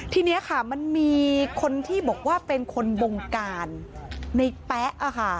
ทีนี้ค่ะมันมีคนที่บอกว่าเป็นคนบงการในแป๊ะ